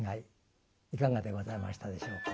いかがでございましたでしょうか。